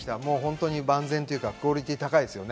万全というか、クオリティーが高いですね。